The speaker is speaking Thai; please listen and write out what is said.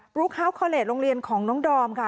ลูกฮาสคอเลสโรงเรียนของน้องดอมค่ะ